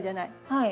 はい。